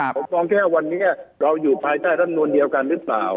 ผมมองแค่วันนี้เราอยู่ภายใต้รัฐมนูลเดียวกันหรือเปล่า